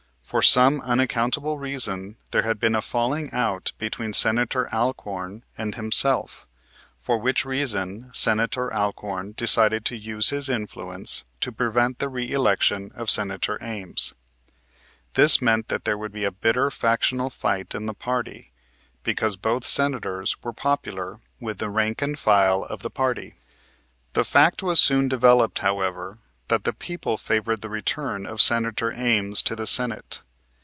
For some unaccountable reason there had been a falling out between Senator Alcorn and himself, for which reason Senator Alcorn decided to use his influence to prevent the reëlection of Senator Ames. This meant that there would be a bitter factional fight in the party, because both Senators were popular with the rank and file of the party. The fact was soon developed, however, that the people favored the return of Senator Ames to the Senate.